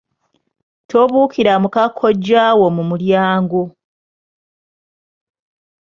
Tobuukira muka kkojjaawo mu mulyango.